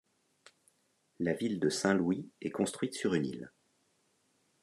La ville de Saint-Louis est construite sur une île.